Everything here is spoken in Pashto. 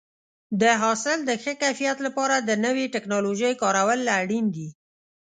د حاصل د ښه کیفیت لپاره د نوې ټکنالوژۍ کارول اړین دي.